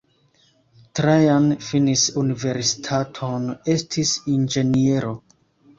Trajan finis universitaton, estis inĝeniero.